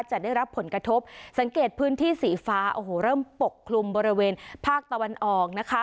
จะได้รับผลกระทบสังเกตพื้นที่สีฟ้าโอ้โหเริ่มปกคลุมบริเวณภาคตะวันออกนะคะ